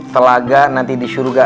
kelaga nanti di syurga